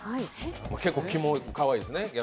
結構キモかわいいですよね。